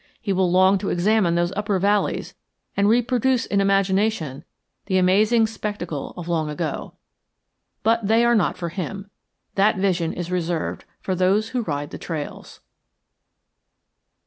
He will long to examine those upper valleys and reproduce in imagination the amazing spectacle of long ago. But they are not for him. That vision is reserved for those who ride the trails.